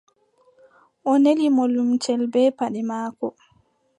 O nelini mo limcel bee paɗe maako.